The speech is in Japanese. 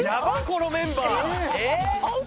このメンバー。